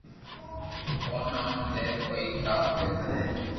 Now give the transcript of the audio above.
او تو اوني زبر ھي ڪي ڪاوُ بھتر ھي